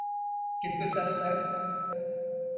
Qu’est-ce que ça fait?